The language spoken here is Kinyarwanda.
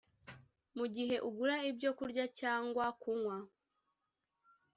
Mu gihe ugura ibyo kurya cyangwa kunywa